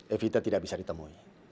evita tidak bisa ditemui